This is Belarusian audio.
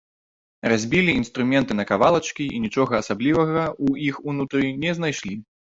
Разбілі інструменты на кавалачкі і нічога асаблівага ў іх унутры не знайшлі.